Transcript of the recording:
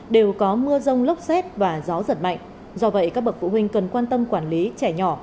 đều có mưa rông lốc xét và gió giật mạnh do vậy các bậc phụ huynh cần quan tâm quản lý trẻ nhỏ